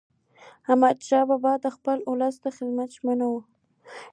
احمدشاه بابا د خپل ولس خدمت ته ژمن و.